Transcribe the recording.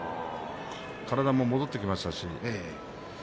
体も戻ってきましたし。